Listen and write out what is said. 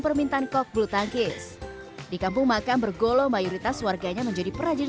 permintaan kok bulu tangkis di kampung makam bergolo mayoritas warganya menjadi perajin